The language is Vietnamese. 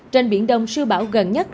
trên biển đông siêu bão gần nhất